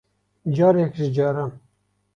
Carek ji caran